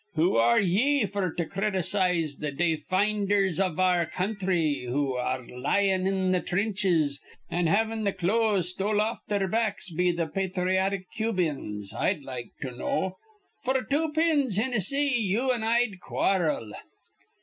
Who are ye f'r to criticize th' dayfinders iv our counthry who ar re lyin' in th' trinches, an' havin' th' clothes stole off their backs be th' pathriotic Cubians, I'd like to know? F'r two pins, Hinnissy, you an' I'd quarrel."